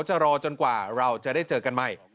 จะรอจนกว่าเราจะได้เจอกันใหม่